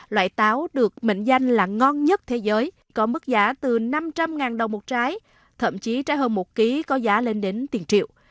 loại táo được mệnh danh là ngon nhất thế giới có mức giá từ năm trăm linh đồng một trái thậm chí trái hơn một ký có giá lên đến tiền triệu